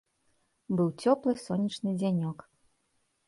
Быў цёплы сонечны дзянёк.